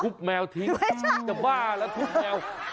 แมวทิ้งจะบ้าแล้วทุบแมว